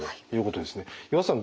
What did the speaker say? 岩田さん